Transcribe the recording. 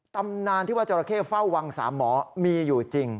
ตำนานที่ว่าจราเข้เฝ้าวังสามหมอมีอยู่จริง